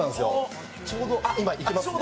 ちょうど今、いきますね。